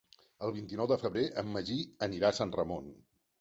El vint-i-nou de febrer en Magí anirà a Sant Ramon.